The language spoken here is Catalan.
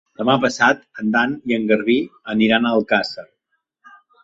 Demà passat en Dan i en Garbí iran a Alcàsser.